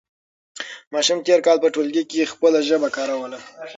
ماشوم تېر کال په ټولګي کې خپله ژبه کاروله.